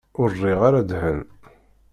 Ur rriɣ ara ddhen.